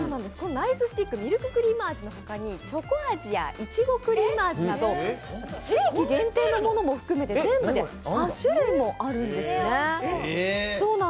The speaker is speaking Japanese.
ナイススティック、ミルククリーム味の他にチョコ味やいちごクリーム味など地域限定のものも含めて、全部で８種類もあるんですね。